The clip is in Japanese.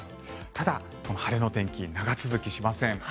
ただ、晴れの天気長続きしません。